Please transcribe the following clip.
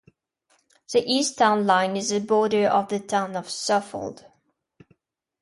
The east town line is the border of the town of Southold.